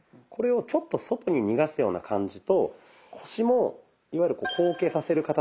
これをちょっと外に逃がすような感じと腰もいわゆる後傾させる